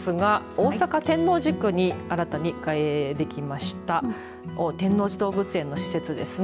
大阪天王寺区に新たにできました天王寺動物園の施設ですね。